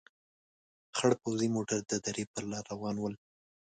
خړ پوځي موټر د درې په لار روان ول.